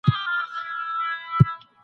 تمرکز د کار د ښه ترسره کېدو سبب ګرځي.